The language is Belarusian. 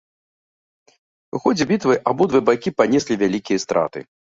У ходзе бітвы абодва бакі панеслі вялікія страты.